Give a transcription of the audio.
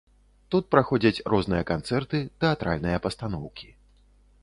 Тут праходзяць розныя канцэрты, тэатральныя пастаноўкі.